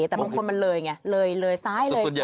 แต่บางคนมันเลยไงเลยเลยซ้ายเลย